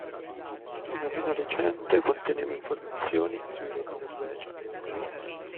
La meno recente conteneva informazioni sui re di Norvegia.